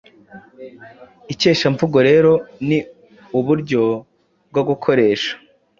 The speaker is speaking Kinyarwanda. Ikeshamvugo rero ni uburyo bwo gukoresha